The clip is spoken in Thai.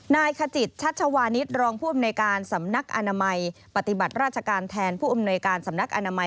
นายขจิตชัชวานิสรองผู้อำนวยการสำนักอนามัยปฏิบัติราชการแทนผู้อำนวยการสำนักอนามัย